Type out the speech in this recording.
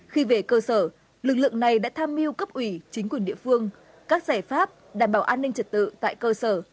khi về cơ sở lực lượng này đã tham mưu cấp ủy chính quyền địa phương các giải pháp đảm bảo an ninh trật tự tại cơ sở